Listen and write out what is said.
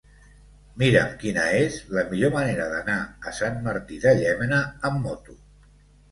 Mira'm quina és la millor manera d'anar a Sant Martí de Llémena amb moto.